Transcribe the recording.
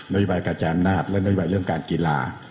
โยบายกระจายอำนาจและนโยบายเรื่องการกีฬา